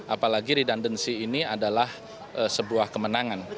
apalagi redundancy ini adalah sebuah kemenangan